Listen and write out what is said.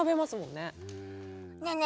ねえねえ